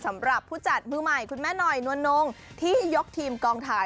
สำหรับผู้จัดมือใหม่คุณแม่หน่อยนวลนงที่ยกทีมกองถ่าย